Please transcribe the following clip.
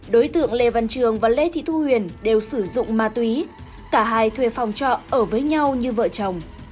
đối tượng lê văn trường và lê thị thu huyền đều sử dụng ma túy cả hai thuê phòng trọ ở với nhau như vợ chồng